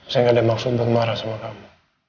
saya gak ada maksud buat marah sama kamu